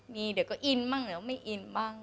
มีเดี๋ยวก็อินบ้างเดี๋ยวไม่อินบ้าง